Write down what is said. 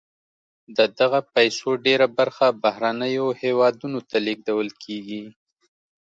د دغه پیسو ډېره برخه بهرنیو هېوادونو ته لیږدول کیږي.